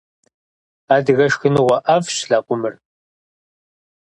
Адыгэ шхыныгъуэ ӏэфӏщ лэкъумыр.